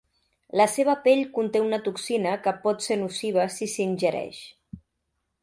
La seva pell conté una toxina que pot ser nociva si s"ingereix.